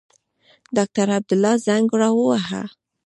ډاکټر عبدالله زنګ را ووهه.